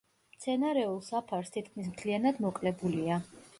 მცენარეულ საფარს თითქმის მთლიანად მოკლებულია.